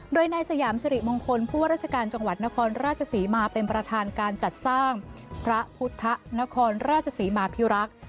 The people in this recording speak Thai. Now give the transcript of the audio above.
โดยนายสยามสิริมงคลผู้ว่าราชการจังหวัดนครราชศรีมาเป็นประธานการจัดสร้างพระพุทธนครราชศรีมาพิรักษ์